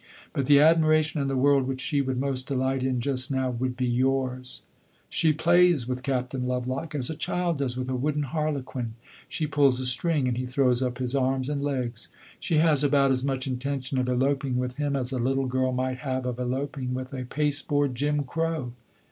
But the admiration in the world which she would most delight in just now would be yours. She plays with Captain Lovelock as a child does with a wooden harlequin, she pulls a string and he throws up his arms and legs. She has about as much intention of eloping with him as a little girl might have of eloping with a pasteboard Jim Crow.